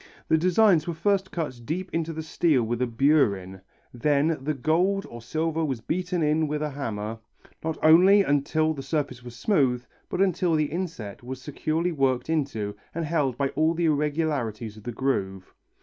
The designs were first cut deep into the steel with a burin, then the gold or silver was beaten in with a hammer, not only until the surface was smooth, but until the inset was securely worked into and held by all the irregularities of the groove.